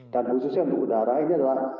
dan khususnya untuk udara ini adalah